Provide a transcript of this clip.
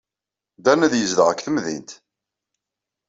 Dan ad yezdeɣ deg temdint.